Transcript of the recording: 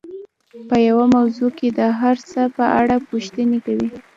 په يوه موضوع کې د هر څه په اړه پوښتنې کوي.